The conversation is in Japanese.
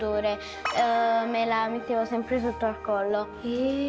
へえ。